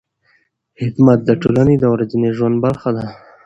خدمت د ټولنې د ورځني ژوند برخه ده.